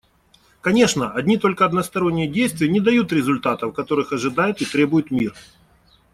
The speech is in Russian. Конечно, одни только односторонние действия не дают результатов, которых ожидает и требует мир.